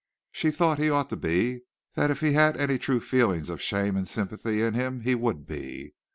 She thought he ought to be; that if he had any true feeling of shame and sympathy in him he would be.